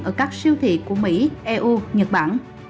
ở các siêu thị của mỹ eu nhật bản